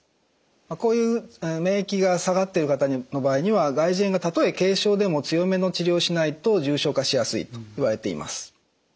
こういう免疫が下がっている方の場合には外耳炎がたとえ軽症でも強めの治療をしないと重症化しやすいといわれています。